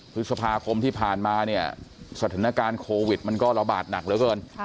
พฤษภาคมที่ผ่านมาเนี่ยสถานการณ์โควิดมันก็ระบาดหนักเหลือเกิน